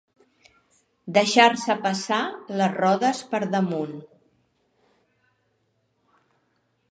Deixar-se passar les rodes per damunt.